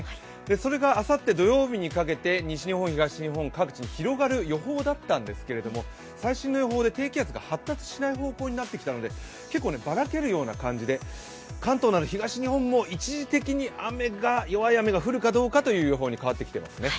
それがあさって土曜日にかけて西日本、東日本、各地に広がる予報だったんですけれども、最新の予報で低気圧が発達しない方向になってきたので結構ばらけるような感じで、関東など東日本も一時的に弱い雨がふるかどうかという予想になってきています。